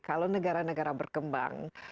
kalau negara negara berkembang